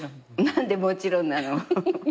何でもちろんなの？